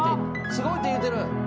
「すごい」って言うてる。